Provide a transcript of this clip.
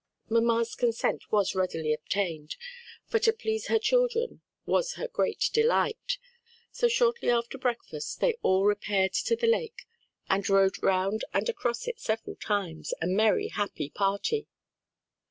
Mamma's consent was readily obtained, for to please her children was her great delight. So shortly after breakfast they all repaired to the lake and rowed round and across it several times, a merry, happy party.